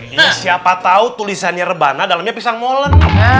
ini siapa tahu tulisannya rebana dalamnya pisang molet